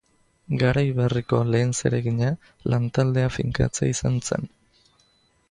Garai berriko lehen zeregina lan taldea finkatzea izan zen.